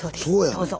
どうぞ。